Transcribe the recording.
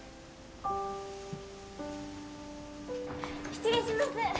失礼します！